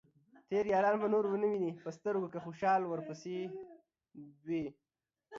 تېر ياران به نور ؤنه وينې په سترګو ، که خوشال ورپسې دوې